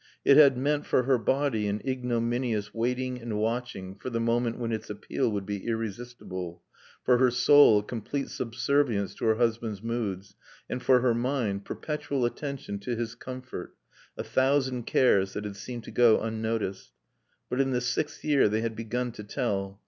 It had meant, for her body, an ignominious waiting and watching for the moment when its appeal would be irresistible, for her soul a complete subservience to her husband's moods, and for her mind perpetual attention to his comfort, a thousand cares that had seemed to go unnoticed. But in the sixth year they had begun to tell.